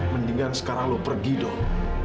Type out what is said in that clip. mendingan sekarang lo pergi dong